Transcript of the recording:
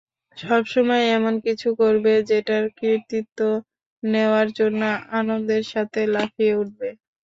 সবসময় এমন কিছু করবে যেটার কৃতিত্ব নেওয়ার জন্য আনন্দের সাথে লাফিয়ে উঠবে।